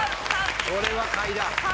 これは買いだ。